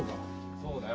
そうだよ。